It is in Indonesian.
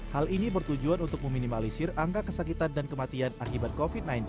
hal ini bertujuan untuk meminimalisir angka kesakitan dan kematian akibat covid sembilan belas